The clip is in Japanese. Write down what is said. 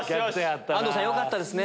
安藤さんよかったですね。